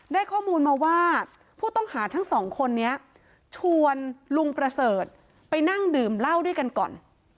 ได้ข้อมูลมาว่าผู้ต้องหาทั้งสองคนนี้ชวนลุงประเสริฐไปนั่งดื่มเหล้าด้วยกันก่อน